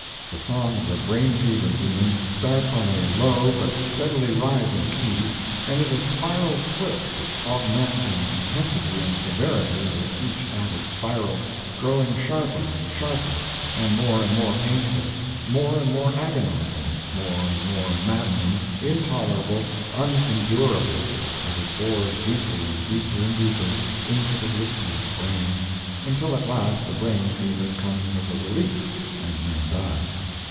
The song of the brain fever demon starts on a low but steadily rising key, and is a spiral twist which augments in intensity and severity with each added spiral, growing sharper and sharper, and more and more painful, more and more agonizing, more and more maddening, intolerable, unendurable, as it bores deeper and deeper and deeper into the listener's brain, until at last the brain fever comes as a relief and the man dies.